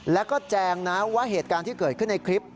แล้วก็แจงนะว่าเหตุการณ์ที่เกิดขึ้นในคลิป